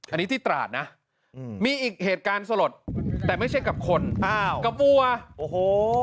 อันนี้ที่ตราดนะอืมมีอีกเหตุการณ์สลดแต่ไม่ใช่กับคนอ้าวกับวัวโอ้โห